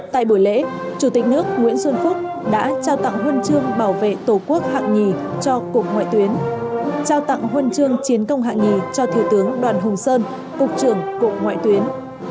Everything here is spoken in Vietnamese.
tại buổi lễ chủ tịch nước nguyễn xuân phúc đã trao tặng huân chương bảo vệ tổ quốc hạng nhì cho cục ngoại tuyến trao tặng huân chương chiến công hạng nhì cho thiếu tướng đoàn hùng sơn cục trưởng cục ngoại tuyến